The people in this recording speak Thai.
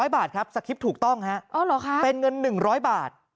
๐บาทครับสคริปต์ถูกต้องฮะเป็นเงิน๑๐๐บาท